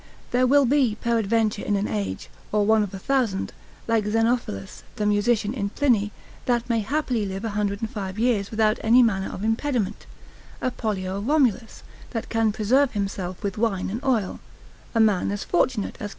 There will be peradventure in an age, or one of a thousand, like Zenophilus the musician in Pliny, that may happily live 105 years without any manner of impediment; a Pollio Romulus, that can preserve himself with wine and oil; a man as fortunate as Q.